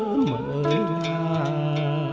ở trong buồn chạy ra